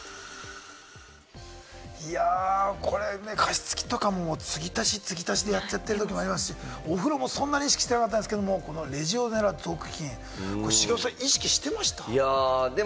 これね、加湿器とか、継ぎ足し、継ぎ足しでやっちゃってることもありますし、お風呂もそんなに意識してなかったですけれども、レジオネラ属菌、茂雄さん、意識してました？